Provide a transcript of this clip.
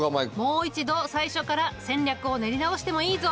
もう一度最初から戦略を練り直してもいいぞ。